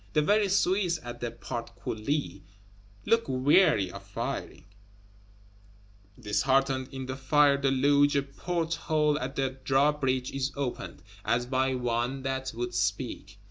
The very Swiss at the Portcullis look weary of firing; disheartened in the fire deluge; a port hole at the drawbridge is opened, as by one that would speak.